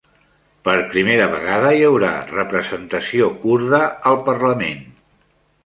Per primera vegada hi haurà representació kurda al parlament